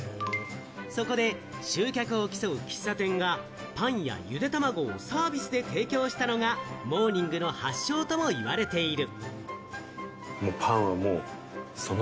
そこで集客を競う喫茶店が、パンや、ゆで卵をサービスで提供したのがモーニングの発祥ともいわれている。